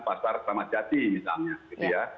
pasar sama jati misalnya